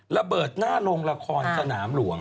ระเบิดหน้าโรงละครสนามหลวง